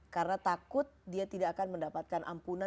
karena takut dia tidak akan mendapatkan ampunan